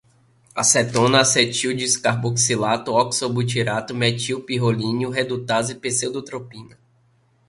acetona, acetonedicarboxilato, oxobutirato, metilpirrolínio, redutase, pseudotropina